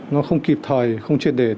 nó không kịp thời không truyền để